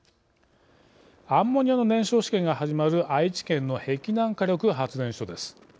アンモニアの燃焼試験が始まる愛知県の碧南火力発電所です。